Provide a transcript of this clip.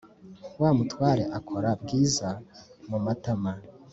wamutware akora bwiza mumatama